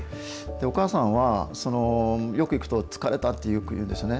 お母さんは、よく行くと、疲れたってよく言うんですよね。